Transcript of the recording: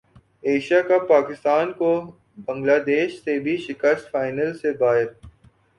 Asia Cup Pakistan کو Bangladesh سے بھی شکست فائنل سے باہر